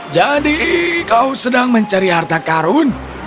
jadi kau sedang mencari harta karun